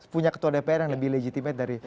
punya ketua dpr yang lebih legitimate dari